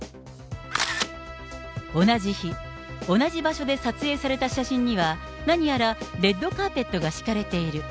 同じ日、同じ場所で撮影された写真には、何やらレッドカーペットが敷かれている。